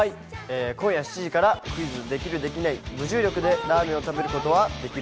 今夜７時から『クイズ！できる？できない？』、無重力でラーメンを食べることはできる？